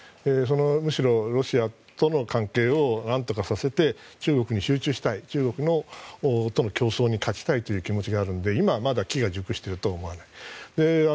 むしろ、ロシアとの関係を何とかさせて中国に集中したい中国との競争に勝ちたいという気があるので今はまだ機が熟しているとは思わない。